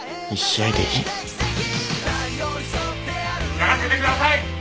やらせてください。